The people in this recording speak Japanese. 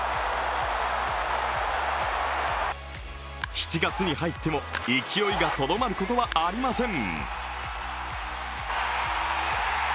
７月に入っても勢いがとどまることはありません。